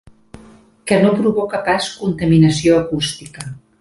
Que no provoca pas contaminació acústica.